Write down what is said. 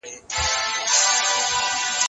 مادي کلتور خلګو ته ډېرې اسانتیاوې برابروي.